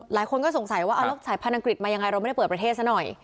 หลายคนก็สงสัยว่าแล้วสายพันธุอังกฤษมายังไงเราไม่ได้เปิดประเทศซะหน่อย